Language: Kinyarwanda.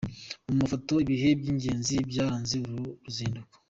Mu mafoto: Ibihe by’ingenzi byaranze uru ruzinduko.